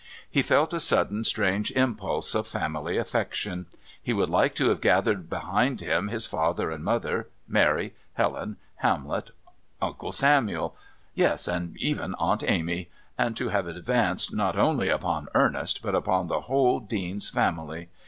He felt a sudden strange impulse of family affection. He would like to have gathered behind him his father and mother, Mary, Helen, Hamlet, Uncle Samuel yes, and even Aunt Amy, and to have advanced not only upon Ernest, but upon the whole Dean's family.